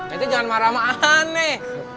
itu jangan marah sama aneh